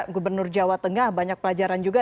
gubernur jawa tengah banyak pelajaran juga